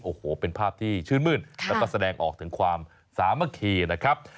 โอ้โหเป็นภาพที่ชื่นมื้นแล้วก็แสดงออกถึงความสามัคคีนะครับ